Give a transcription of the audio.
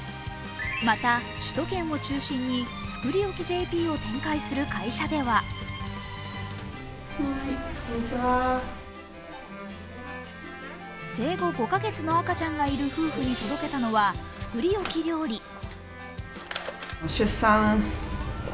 また、首都圏を中心につくりおき．ｊｐを展開する会社では生後５カ月の赤ちゃんがいる夫婦に届けたのは、作り置き料理。